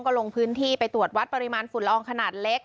ก็ลงพื้นที่ไปตรวจวัดปริมาณฝุ่นละอองขนาดเล็ก